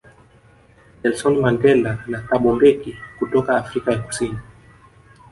Nelsoni Mandela na Thabo Mbeki kutoka Afrika ya Kusini